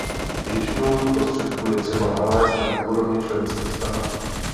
Většinu prostředků je třeba nalézt na úrovni členských států.